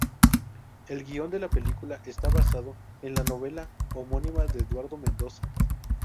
El guion de la película está basado en la novela homónima de Eduardo Mendoza.